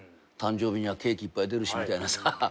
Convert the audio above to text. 誕生日にはケーキいっぱい出るしみたいなさ。